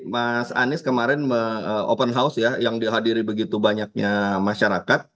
mas anies kemarin open house ya yang dihadiri begitu banyaknya masyarakat